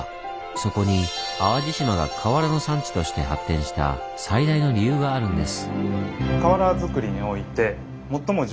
そこに淡路島が瓦の産地として発展した最大の理由があるんです。